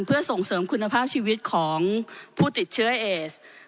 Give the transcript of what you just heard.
เพื่อส่งเสริมคุณภาพชีวิตของผู้ติดเชื้อเอส